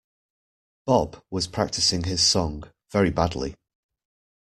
Bob was practising his song, very badly.